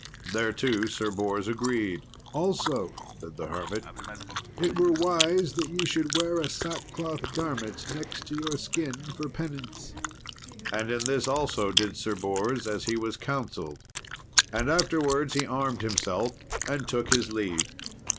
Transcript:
Thereto Sir Bors agreed. "Also," said the hermit, "it were wise that ye should wear a sackcloth garment next your skin, for penance;" and in this also did Sir Bors as he was counselled. And afterwards he armed himself and took his leave.